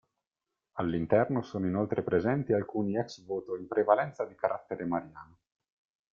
All'interno sono inoltre presenti alcuni ex voto in prevalenza di carattere mariano.